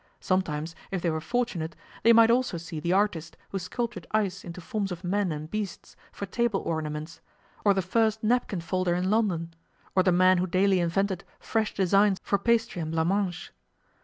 Sometimes, if they were fortunate, they might also see the artist who sculptured ice into forms of men and beasts for table ornaments, or the first napkin folder in London, or the man who daily invented fresh designs for pastry and blancmanges.